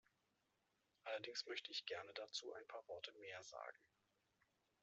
Allerdings möchte ich gerne dazu ein paar Worte mehr sagen.